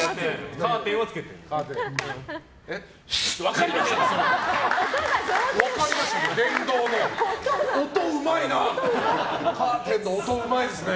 カーテンの音うまいですね。